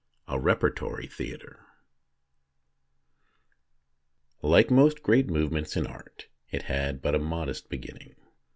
A REPERTORY THEATRE LIKE most great movements in art, it had but a modest beginning.